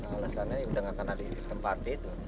alasannya sudah tidak akan ada tempat itu